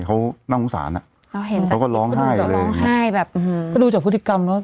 เขาน่าโง่สารอ่ะเขาก็ร้องไห้เลยร้องไห้แบบอืมก็ดูจากพฤติกรรมเนอะ